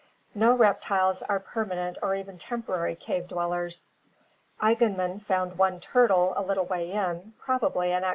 No reptiles are permanent or even temporary cave dwellers. Eigenmann found one turtle a little way in, probably an accidental Fig.